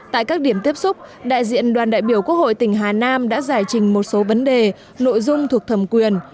tại các điểm tiếp xúc đại diện đoàn đại biểu quốc hội tỉnh hà nam đã giải trình một số vấn đề nội dung thuộc thẩm quyền